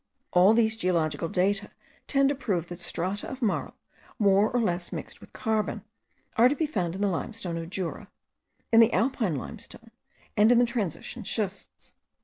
All these geological data tend to prove that strata of marl, more or less mixed with carbon, are to be found in the limestone of Jura, in the alpine limestone, and in the transition schists.